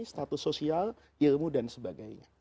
status sosial ilmu dan sebagainya